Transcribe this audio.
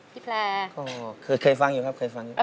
พี่แพล่อ๋อเคยฟังอยู่ครับครับ